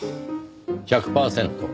１００パーセント。